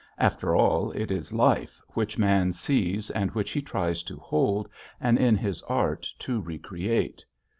After all it is Life which man sees and which he tries to hold and in his Art to recreate.